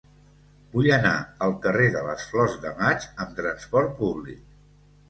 Vull anar al carrer de les Flors de Maig amb trasport públic.